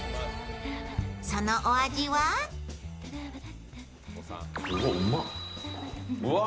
そのお味は？うわ！